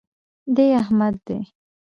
دی احمد دئ.